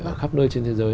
ở khắp nơi trên thế giới